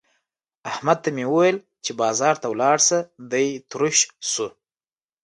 احمد ته مې وويل چې بازار ته ولاړ شه؛ دی تروش شو.